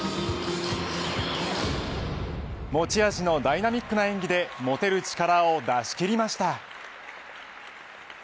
持ち味のダイナミックな演技で持てる力を出し切りました。